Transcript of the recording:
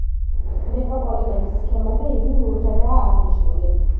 მეტროპოლიტენის სქემაზე იგი ლურჯადაა აღნიშნული.